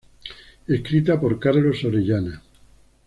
Escrita por Carlos Orellana.